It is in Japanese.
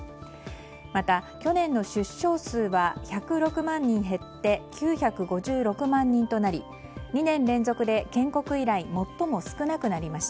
また、去年の出生数は１０６万人減って９５６万人となり２年連続で建国以来最も少なくなりました。